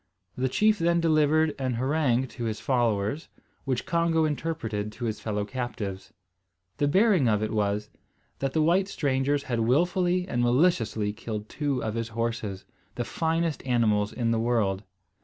The chief then delivered an harangue to his followers, which Congo interpreted to his fellow captives. The bearing of it was, that the white strangers had wilfully and maliciously killed two of his horses, the finest animals in the world.